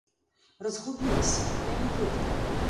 Разгубілася, я не ведала!